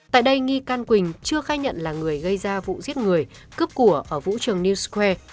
tại đây nghi can quỳnh chưa khai nhận là người gây ra vụ giết người cướp của ở vũ trường newsure